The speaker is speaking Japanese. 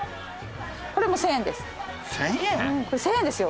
これ１，０００円ですよ。